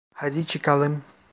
Hadi çıkalım.